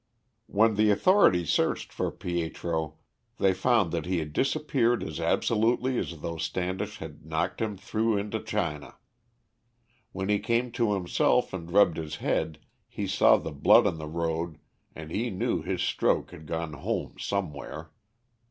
When the authorities searched for Pietro they found that he had disappeared as absolutely as though Standish had knocked him through into China. When he came to himself and rubbed his head, he saw the blood on the road, and he knew his stroke had gone home somewhere.